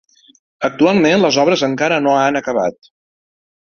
Actualment les obres encara no han acabat.